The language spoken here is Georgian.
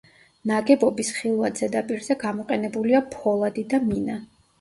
ნაგებობის ხილვად ზედაპირზე გამოყენებულია ფოლადი და მინა.